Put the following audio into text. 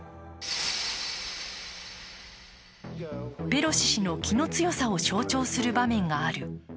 ペロシ氏の気の強さを象徴する場面がある。